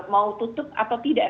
mau tutup atau tidak